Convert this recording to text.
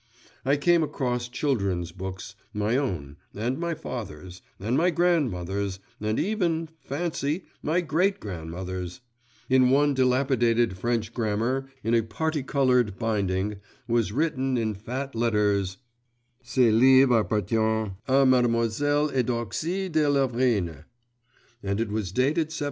I came across children's books, my own, and my father's, and my grandmother's, and even, fancy, my great grandmother's; in one dilapidated French grammar in a particoloured binding, was written in fat letters: 'Ce livre appartient à Mlle Eudoxie de Lavrine,' and it was dated 1741.